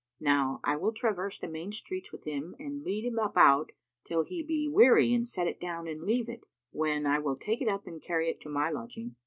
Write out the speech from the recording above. Now I will traverse the main streets with him and lead him about, till he be weary and set it down and leave it, when I will take it up and carry it to my lodging."